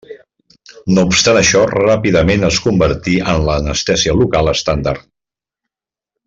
No obstant això ràpidament es convertí en l’anestèsia local estàndard.